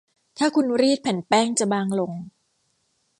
ถ้าคุณรีดแผ่นแป้งจะบางลง